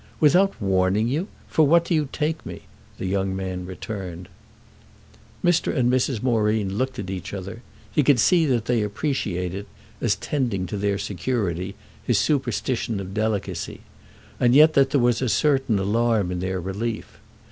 "Without warning you? For what do you take me?" the young man returned. Mr. and Mrs. Moreen looked at each other; he could see that they appreciated, as tending to their security, his superstition of delicacy, and yet that there was a certain alarm in their relief.